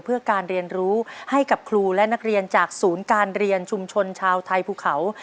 เพื่อการเรียนรู้ให้กับครูและนักเรียนจากศูนย์การเรียนชุมชนชาวไทยภูเขา